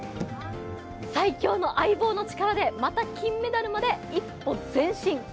最強の相棒の力でまた金メダルまで一歩前進！